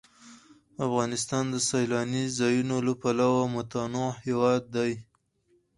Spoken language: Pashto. افغانستان د سیلاني ځایونو له پلوه متنوع هېواد دی.